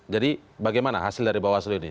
jadi bagaimana hasil dari bawah seluruh ini